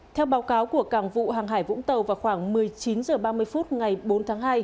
theo báo cáo của cảng vụ hàng hải vũng tàu vào khoảng một mươi chín h ba mươi phút ngày bốn tháng hai